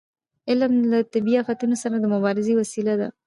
علم له طبیعي افتونو سره د مبارزې وسیله ده.